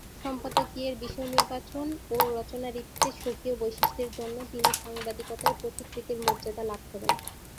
সম্পাদকীয়ের বিষয় নির্বাচন ও রচনারীতিতে স্বকীয় বৈশিষ্ট্যের জন্য তিনি সাংবাদিকতায় পথিকৃতের মর্যাদা লাভ করেন।